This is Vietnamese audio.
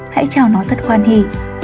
hãy chào nó thật quan hị